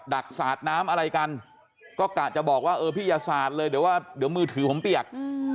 ักสาดน้ำอะไรกันก็กะจะบอกว่าเออพี่อย่าสาดเลยเดี๋ยวว่าเดี๋ยวมือถือผมเปียก